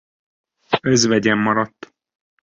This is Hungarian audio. Özvegyen maradt.